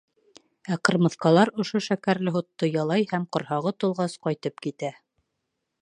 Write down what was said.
Ә ҡырмыҫҡалар ошо шәкәрле һутты ялай һәм ҡорһағы тулғас, ҡайтып китә.